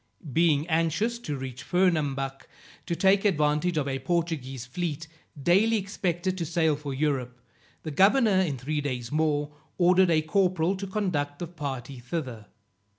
Being anxious to reach Fernambuc, to take advantage of a Portuguese fleet, daily expected to sail for Europe, the governor, in three days more, ordered a corporal to conduct the party thither.